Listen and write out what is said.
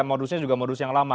modusnya juga modus yang lama